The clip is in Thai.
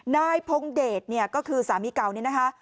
นายพงเดชเนี่ยก็คือสามีเก่าเนี่ยนะคะ